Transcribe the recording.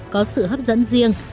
có sự hấp dẫn riêng